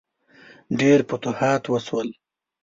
ډیر فتوحات وشول.